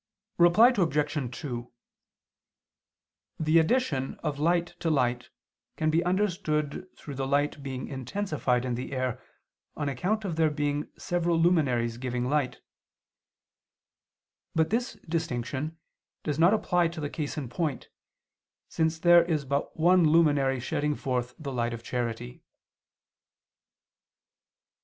Reply Obj. 2: The addition of light to light can be understood through the light being intensified in the air on account of there being several luminaries giving light: but this distinction does not apply to the case in point, since there is but one luminary shedding forth the light of charity.